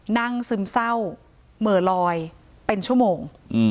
ซึมเศร้าเหม่อลอยเป็นชั่วโมง